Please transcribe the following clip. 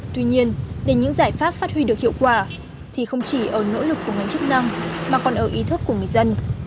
tuy nhiên để những giải pháp phát huy được hiệu quả thì không chỉ ở nỗ lực của ngành chức năng mà còn ở ý thức của người dân